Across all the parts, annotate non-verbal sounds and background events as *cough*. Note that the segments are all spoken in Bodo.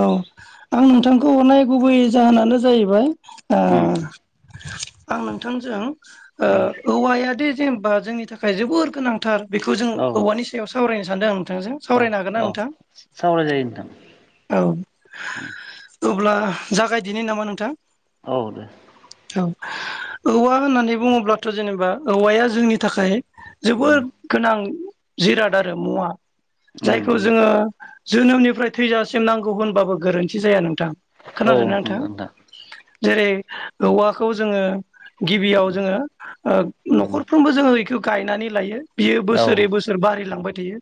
औ आं नोंथांखौ हरनाय गुबै जाहोनानो जाहैबाय ओ उम आं नोंथांजों ओ उम औवाया दि जेनेबा जोंनि थाखाय जोबोर गोनांथार। बेखौ जों औ औवानि सायाव सावरायनो सानदों आं नोंथांजों। औ सावरायनो हागोन ना औ नोंथां? सावराय जायो नोंथां औ अब्ला जागायदिनि नामा नोंथां? औ दे। औ औवा होननानै बुङोब्लाथ' जेनेबा औवाया जोंनि थाखाय उम जोबोद गोनां जिराद आरो मुवा। उम जायखौ जोङो जोनोमनिफ्राय थैजासिम नांगौ होनबाबो गोरोन्थि जाया नोंथां। उम औ खोनादो ना नंगौ नोंथां? जेरै औवाखौ जोङो गिबियाव जोङो ओ उम न'खरफ्रोमबो जोङो इखो गायनानै लायो । बियो औ बोसोरै बोसोर बारिलांबाय थायो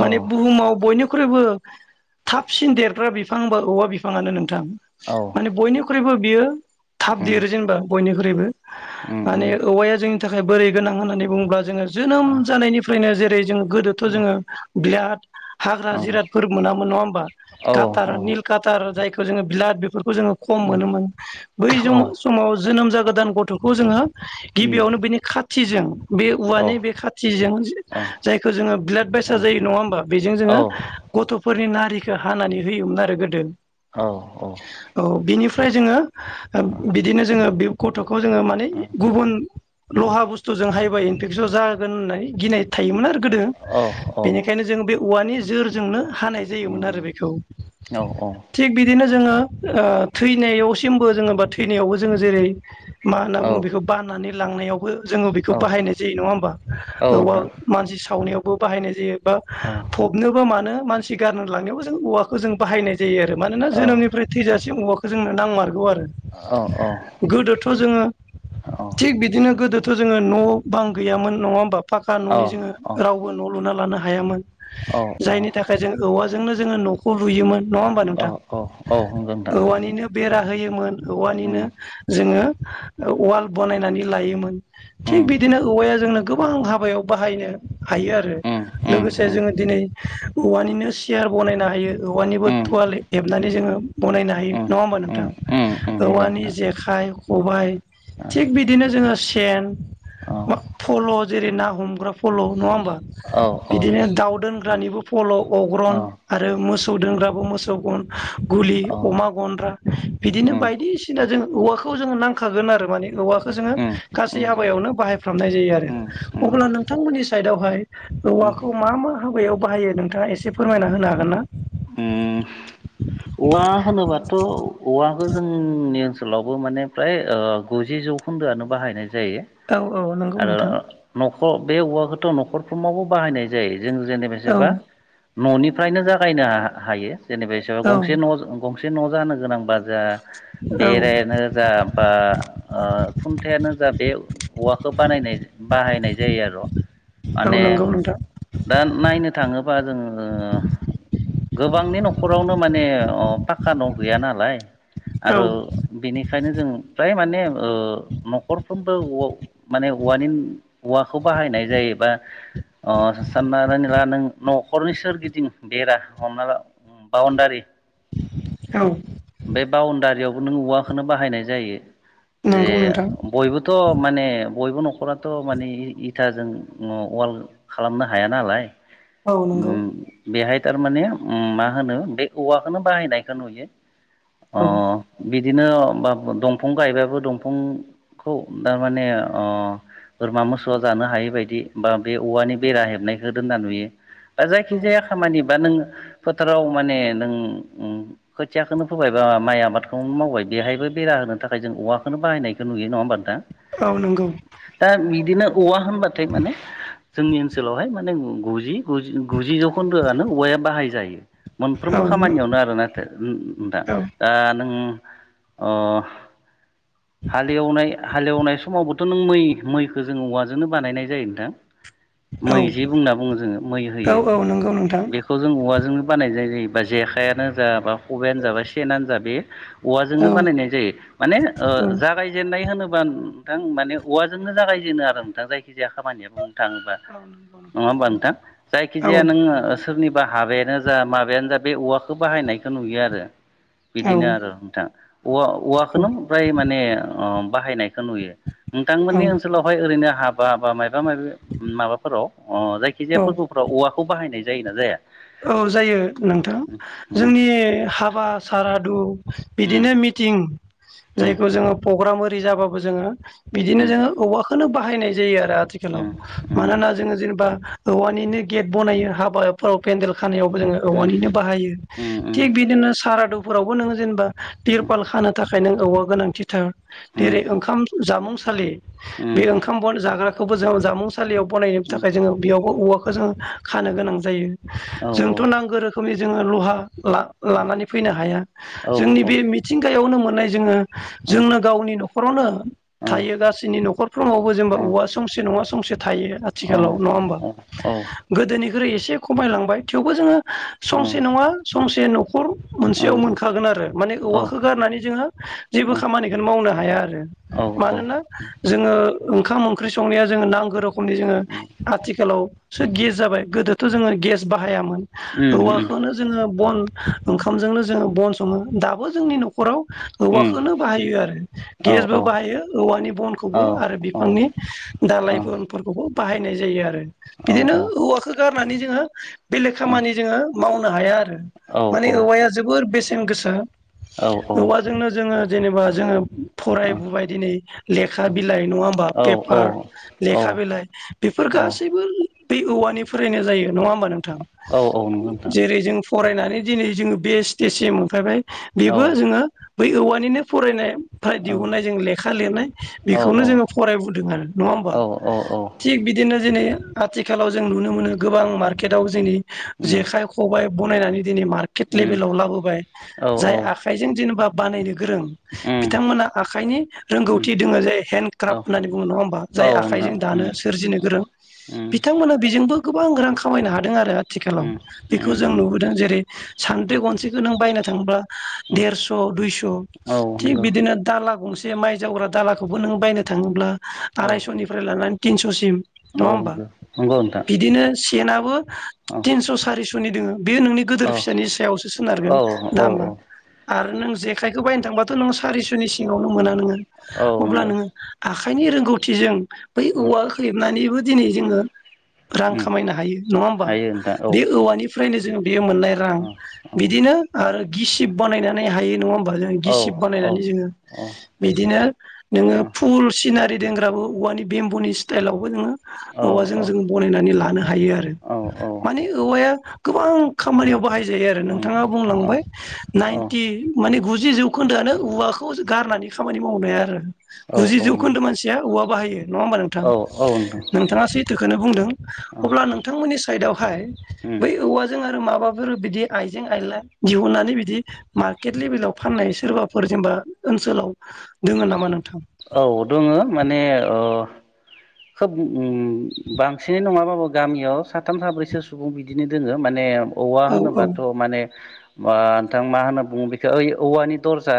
औ माने बुहुमाव बयनिख्रुइबो थाब सिन देरग्रा बिफां होनबा औवा बिफाङानो नों थां। औ माने बयनिख्रुइबो बियो थाब उम देरो जेनेबा बयनिख्रुइबो। उम उम माने औवाया जोंनि थाखाय बोरै गोनां होननानै बुङोब्ला जोङो जोनोम आ जानायनिफ्रायनो जे रै जों गोदोथ' औ जोङो बिराद हाग्रा औ उम जिरादफोर मोनामोन नङा होमबा? औ उम औ उम औ कातार औ नोंथां औ निल कातार जायखौ जोङो ब्लाद बेफोरखौ जोङो खम मोनोमोन बै जमा समाव जोनोम जागोदान गथ'खौ जोङो गिबियावनो बिनि खाथिजों बे औवानि बे खाथिजों जायखौ जोङो ब्लाद बायसा जायो। नङा होमबा? बेजों जोङो गथ' फोरनि नारिखौ हानानै होयोमोन आरो गोदो। औ औ। फ्राय जोङो बिदिनो जोङो गथ' जोङो माने गुबुन लहा बुस्थु जों हायोबाय एफेक्सन जागोन होननाय गिनाय थायोमोन आरो गोदो। बेनिखायनो जों बे औवानि जोरजोंनो हानाय जायोमोन आरो बेखौ। थिग बिदिनो जोङो ओ थैनायावसिमबो जोंङो बा थैनायावबो जोंङो जेरै मा होनना बुङो बेखौ बाननानै लांनायावबो जोङो बेखौ बाहायनाय जायो। नङा होमबा? औवा मानसि सावनायावबो बाहायनाय जायो। बा फबनोबो मानो मानसि गारनो लांनायावबो जों औवाखौ जों बाहायनाय जायो आरो मानोना जोनोमनिफ्राय थैजासिम औवाखौ जोंनो नांमारगौ आरो गोदो थ' जोंङो थिग बिदिनो गोदोथ' जोङो न' बां गैयामोन नङा होमबा? फाखा न'नि जोंङो रावबो न' लुना लानो हायामोन। औ औ जायनि थाखाय जों औवाजोंनो जोङो न'खौ लुयोमोन। नङा होमबा औ नोंथां? औ औ नंगौ नोंथां औवानिनो बेरा होयोमोन उम औवानिनो जोङो उवाल बनायनानै लायोमोन। थिग उम बिदिनो औवाया जोंनो गोबां हाबायाव बाहायनो हायो आरो उम उम लोगोसे जोङो दिनै औवानिनो सियार बनायनो हायो। औवानिबो उम थवाल हेबनानै जोङो बनायनो हायो। उम नङा होमबा नोंथां? उम उम नंगौ औवानि जेखा इ खबाइ नोंथां थिग बिदिनो जोङो सेन औ मा फल' जेरै ना हमग्रा फल' नङा होमबा औ औ बिदिनो दाउ दोनग्रानिबो फल' औ अग्रन आरो मोसौ दोनग्राबो मोसौ गन गुलि औ अमा गनद्रा बिदिनो उम बायदिसिना जों औवाखौ जोङो नांखागोन आरो माने औवाखो जोङो उम गासै हाबायाव बाहाय फ्रामनाय जायो आरो उम उम अब्ला नोंथांमोननि साइदावहाय उम औवाखौ मा मा हाबायाव बाहाय यो नोंथाङा एसे फोरमायना होनो हागोन ना? उम औवा होनोबाथ' औवाखौ जोंनि ओनसोलावबो माने फ्राय ओ गुजि जौखोन्दोआनो बाहायनाय जायो औ औ नंगौ आरो नोंथां नख ख बे औवाखौथ नखरफ्रावबो बाहायनाय जायो जों जेने औ बेसेबा। ननिफ्रायनो जागायनो हायो जेनेब औ गंसे न गंसे न जानो गोनांबा जाहा औ बेरायानो जा बा ओ खुन्थायानो जा बे औवाखौ बानायनो बाहायनाय जायो आर औ नंगौ नोंथां। दा नायनो थांङोबा जोंङो गोबांनि नखरावनो माने अ पाक्का न गैया नालाय आरो औ बेनिखायनो जों फ्राय माने ओ नखरफ्रोमबो औ माने औवानि औवाखौ बाहायनाय जायोबा ओ साननानै ला नों नखरनि सोरगिदिं बेरा हमना ला उम बाउण्डारि औ। बे बाउणडारियावबो नों औवाखौनो बाहायनाय जायो। जे नंगौ नोंथां बयबोथ माने बयबो नखराथ माने इथाजों वाल खालामनो हाया नालाय। औ नंगौ। उम बेहाय थारमाने उम मा होनो बे औवाखौनो बाहायनायखौ नुयो अ औ बिदिनो बा दंफं गायबाबो दंफं खौ थारमाने ओ। बोरमा मोसौआ जानो हायि बायदि बा बे औवानि बेरा हेबनायखौ दोनना नुयो। बा औ जायखिजाया खामानि बा नों फोथाराव माने नों उम खोथियाखोनो फोबाय बा माइ आबादखौनो मावबाय बेहायबो बेरा होनो थाखाय जों औवाखौनो बाहायनायखौ नुयो नंङा होमबा नों थां औ नंगौ दा बिदिनो औवा होनबाथाय माने जोंनि ओनसोलावहाय माने गु गुजि गु गुजि गुजि जौखोन्दोआनो औवाया बाहाय जायो। औ मोनफ्रोमबो खामानियावनो आरो नाथाय दा दा नों अ हालेवनाय हालेवनाय समावबोथ नों मै मैखौ जोङो औवाजोंनो बानायनाय जायो नोंथां औ मै जि बुंना बुङो जोङो मै होयो औ नंगौ नोंथां बेखौ जों औवाजों जोंनो बानाय जायो जेखायानो जा बा खबाइानो जा बा सेनानो जा बे औवाजोंनो औ बानायनाय जायो माने ओ औ जागायजेननाय होनो बा नोंथां माने औवाजों जागायजेनो आरो नोंथां जायखिजाया खामानिया बुं थाङोबा औ नंगौ नङा होमबा नोंथां औ जायखिजाया नों सोरनिबा हाबायानो जा माबायानो जा बे औवाखौ बाहायनायखौ नुयो आरो बिदिनो औ आरो नोंथां औवा औवाखोनो फ्राय माने ओ बाहायनाय नुयो औ नोंथांमोननि ओनसोलावहाय ओरैनो हाबा बा मायबा मायबि माबाफोराव अ जायखिजाया औ फोरबोफोराव औवाखौ बाहायनाय जायो ना जाया? औ जायो नोंथां औ उम औ जोंनि हाबा सारादु बिदिनो मिटिं जायखौ जोङो प्रग्राम ओरि जाबाबो जोङो बिदिनो जोङो औवाखौनो बाहायनाय जायो आरो आथिखालाव मानोना जोङो जेनेबा औवानिनो गेट बनायो हाबाफोराव पेन्देल खानायावबो जोङो औवानिनो बाहायो थिग बिदिनो सारादुफोरावबो नोङो जेनेबा तिरपाल खानो थाखाय नों औवा गोनांथिथार जेरै ओंखाम जामुंसालि बे ओंखाम बन जाग्राखौबो जोंङो जामुंसालियाव बनायनो थाखाय जोङो बेयावबो औवा खो जों खानो गोनां जायो जोंथ नांगौ रोखोमनि जोङो लहा ला लानानै फैनो हाया जोंनि बे मिथिंगायावनो मोननाय जोङो जोंनो गावनि नखरावनो थायो गासैनि नखरफ्रोमावबो जेनेबा औवा संसे नङा संसे थायो आथिखालाव नङा होमबा औ गोदोनिख्रुइ एसे खमायलांबाय थेवबो जोङो संसे नङा संसे न *inaudible* मोनसेयाव मोनखागोन आरो माने औवाखौ गारनानै जोङो जेबो खामानिखौनो मावनो हाया आरो औ मानोना जोङो ओंखाम ओंख्रि संनाया जोङो नांगौ रोखोमनि जोङो आथिखालावसो गेस जाबाय गोदो थ' जोङो गेस बाहायामोन औवाखौनो जोङो बन ओंखामजोंनो जोङो बन सङो दाबो जोंनि न'खराव औवाखोनो बाहायो आरो गेसबो बाहायो औवानि बनखौबो आरो बिफांनि दालायफोर फोरखौबो बाहायनाय जायो आरो बिदिनो औवाखो गारनानै जोङो बेलेग खामानि जोङो मावनो हाया आरो माने औवाया जोबोर बेसेन गोसा औवाजोंनो जोङो जेनेबा जोङो फरायबोबाय दिनै लेखा बिलाइ नङा होमबा औ पेपार लेखा बिलाइ बेफोर औ गासैबो बे औवानि फ्रायनो जायो नङा होमबा नोंथां नंगौ नोंथां जेरै जों फरायना नै दिनै जोङो बे स्टेसिम मोनफायबाय औ बेबो जोङो बै औवानिनो फरायनाय फाय औ दिहुननाय जों लेखा लिरनाय बेखौनो औ जोङो फरायबोदों आरो नङा होमबा औ औ औ थिग बिदिनो दिनै आथिखालाव जों नुनो मोनो गोबां मार्केटाव जोंनि उम जेखाइ खबाइ बनायनानै मार्केट उम लेभेलाव लाबोबाय औ औ जाय आखाइजों जेनेबा बानायनो गोरों उम बिथांमोना आखाइनि उम रोंगौथि दोङो जे हेन्द औ क्राफ्ट होननानै बुङो नङा हबा औ जाय आखाय नोंथां जों उम दानो सोरजिनो गोरों उम बिथांमोना बिजोंबो गोबां रां खामायनो हादों आरो आथिखालाव उम बेखौ जों नुबोदों जेरै सान्द्रि गनसेखौ नों बायनो थांबा उम उम देरस' दुयस' औ थिग नंगौ बिदिनो दालां गंसे माइ जावग्रा दालाखौबो नों बायनो थाङोब्ला औ आरायस'निफ्राय लानानै थिनस'सिम औ नंगौ-नोंगौ‌ नोंथां बिदिनो सेनाबो औ थिनस' सारिस'नि दोङो बेयो नोंनि औ गोदोर फिसानि सायावसो सोनारगोन औ दामा औ औ आरो नों जेखाय बेखौ बायनो थांबाथ' नों सारिस'नि सिङावनो मोना नोङो औ अब्ला नंगौ नोङो आखाइनि रोंगौथिजों बै औ औवा हेबनानैबो दिनै जोङो रां उम खामायनो हायो नङा होमबा हायो नोंथां औ बे औवानिफ्रायनो जोङो बेयो मोननाय रां औ बिदिनो आरो गिसिब बानायनानै हायो नङा होनबा बा जों गिसिब औ उम बानायनानै जोङो बिदिनो नोङो फुल सिनारि देंग्राबो औवानि बेम्ब'नि स्टाइलावबो नोङो औ औ नानै लानो हायो आरो औ औ नोंथां औ माने औवयाव गोबां खामानियाव बाहाय जायो आरो नोंथाङा बुंलांबाय नाइनटि माने गुजि जि जौखोन्दोआनो औवाखौ गारनानै खामानि मावनो हाया आरो गुजि उम जौखोन्दो मानसिया बाहायो नङा होनबा औ नोंथां नोंथाङा सैथोखोनो बुंदों अब्ला नोंथांमोनि साइदआवहाय बै औवाजों आरो माबा फोर बिदि आइजें आइला दिहुननानै बिदि मार्केट लेबेलआव फाननाय सोरबाफोर जेनेबा ओनसोलाव दोङो नामा नोंथां? औ दोङो माने ओ खोब अम बांसिनै नङाबाबो गामियाव साथाम साब्रैसो सुबुं बिदिनो दोङो माने औवा औ औ होनोबाथ' माने ओ नोंथां मा होनो बुङो बेखौ ओइ औवानि दरजा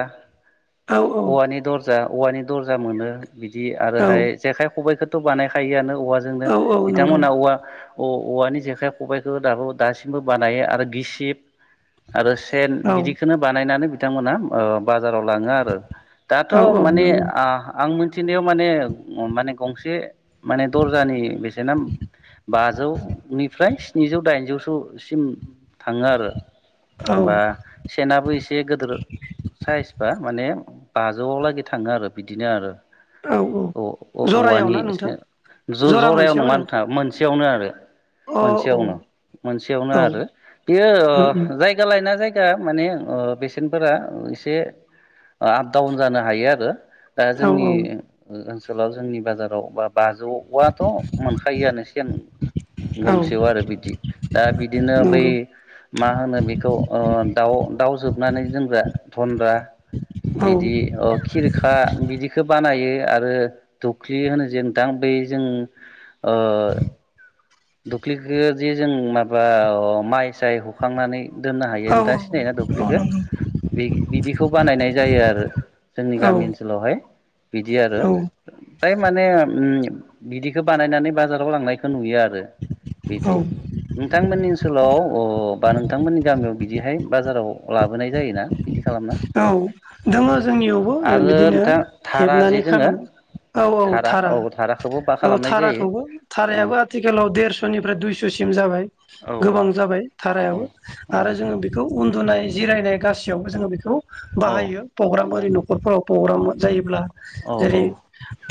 औ औवानि दरजा औवानि दर्जा मोनो बिदि औ आरोहाय जेखाइ खबाइखो थ बानायखायोआनो औवाजोंनो औ औ नंगौ बिथांमोना औवा औ औवानि जेखाइ खबाइखौ दाबो दासिमबो बानायो आरो गिसिब आरो सेन औ बिदिखोनो बानायनानै बिथांमोना ओ बा जाराव लाङो आरो दाथ' औ औ माने नंगौ आ आं मिथिनायाव माने-माने गंसे एसे माने दर्जानि बेसेना बाजौनिफ्राय स्निजौ दाइनजौसोसिम थाङो आरो। औ बा सेनाबो एसे गिदिर साइज बा माने बाजौलागै थाङो आरो बिदिनो आरो औ औ जरायाव औवानि। ना एसे नोंथां ज जरा जरायाव मोनसेयाव नङा आरो नोंथाङा मोनसेयावनो आरो अ औ मोनसेयावनो मोनसेयावनो औ उम आरो बेयो उम जायगा लायना जायगा। माने बेसेन्टफोरा एसे आपडाउन जानो हायो आरो। दा औ जोंनि औ ओनसोलाव जोंनि बाजाराव बा बाजौआथ' मोनखायोआनो सेन औ गंसेयाव आरो बिदि दा बिदिनो बै नंगौ मा होनो बेखौ दाउ दाउ जोबनानै दोनग्रा गन्द्रा औ बिदि खिरखा बिदिखौ बानायो। आरो दुख्लि होनो जे नोंथां बै जों दुब्लिखौदि जों माबा माइ साय हखांनानै दोननो हायो औ नोंथाङा सिनायोना औ दुब्लिखौ? नंगौ बिदिखौ बानायनाय जायो आरो जोंनि गामि ओनसोलावहाय। बिदि आरो औ फ्राय माने बिदिखौ बानायनानै बाजाराव लांनायखौ नुयो आरो। बिदि औ नोंथांमोननि ओनसोलाव बा नोंथांमोननि गामियाव बिदिहाय बाजाराव लाबोनाय जायोना? बिदि खालामना औ दङ जोंनियावबो आरो बिदिनो नोंथां धारा जे हेबनानै दोङो खालामो। औ औ धारा औ धाराखौबो बा औ खालामनाय जायो धाराखौबो औ धारायाबो आथिखालाव देरस' स'निफ्राय दुइस'सिम जाबाय औ गोबां औ जाबाय धारायाबो औ आरो जोङो बेखौ उन्दुनाय जिरायनाय गासैयावबो जोङो बेखौ बाहायो प्रग्राम औ ओरै नखरफोराव प्रग्राम जायोब्ला। औ जेरै औ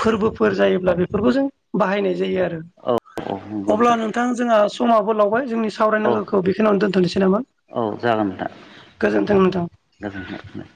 फोरबोफोर जायोब्ला बेफोरखौ जों बाहायनाय जायो आरो औ औ नंगौ अब्ला नोंथां जोंहा समाबो लावबाय जोंनि औ सावरायनांगौखौ बेखौनोनो दोन्थ'नोसै नामा? औ जागोन नोंथां गोजोन्थों नोंथां गोजोन्थों।